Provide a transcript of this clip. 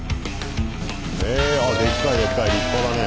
えあでっかいでっかい立派だね。